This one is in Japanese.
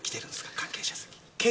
関係者席。